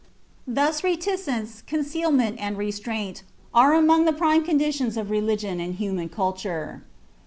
Thus reticence, concealment, and restraint are among the prime conditions of religion and human culture."